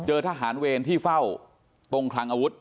ทหารเวรที่เฝ้าตรงคลังอาวุธ